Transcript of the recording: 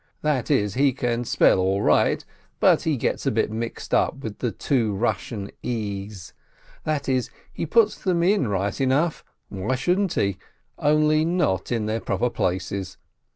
That is, he can spell all right, but he gets a bit mixed with the two Rus sian e's. That is, he puts them in right enough, why shouldn't he? only not in their proper places.